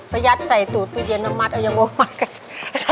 ขอยัดใส่ตูดตู้เย็นน้ำมัดเอายังโหมทมากกะ